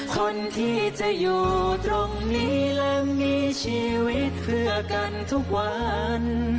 คนที่จะอยู่ตรงนี้และมีชีวิตเพื่อกันทุกวัน